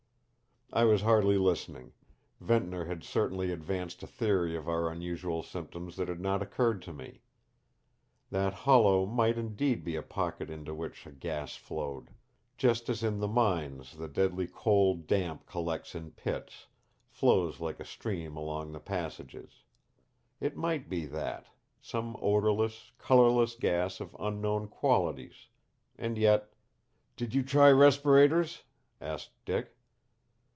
I was hardly listening. Ventnor had certainly advanced a theory of our unusual symptoms that had not occurred to me. That hollow might indeed be a pocket into which a gas flowed; just as in the mines the deadly coal damp collects in pits, flows like a stream along the passages. It might be that some odorless, colorless gas of unknown qualities; and yet "Did you try respirators?" asked Dick.